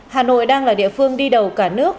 hà nội đang là địa phương đi đầu cả nước